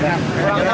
korban korban korban